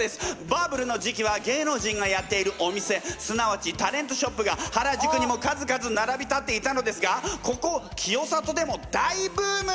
バブルの時期は芸能人がやっているお店すなわちタレントショップが原宿にも数々ならび立っていたのですがここ清里でも大ブーム！